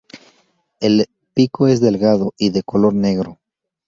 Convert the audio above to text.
El pico es delgado y de color negro.